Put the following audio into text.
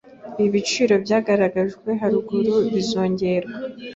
ibi biciro byagaragajwe haruguru bizongerwa